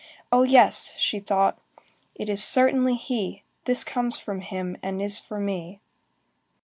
—"Oh yes!" she thought, "it is certainly he! This comes from him, and is for me!"